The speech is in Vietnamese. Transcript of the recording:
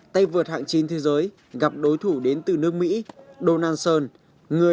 tay vượt hạng chín thế giới gặp đối thủ đến từ nước mỹ donald son